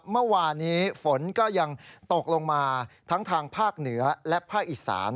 เมื่อวานนี้ฝนก็ยังตกลงมาทั้งทางภาคเหนือและภาคอีสาน